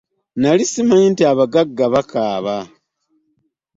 Nali ssimanyi nti n'abagagga bakaaba.